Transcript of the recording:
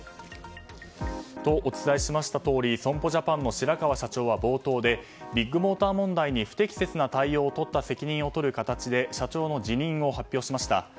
お伝えしましたとおり損保ジャパンの白川社長は冒頭でビッグモーター問題に不適切な対応をとった責任を取る形で社長の辞任を発表しました。